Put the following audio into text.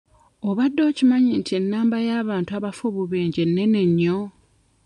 Obadde okimanyi nti enamba y'abantu abafa obubenje nnene nnyo?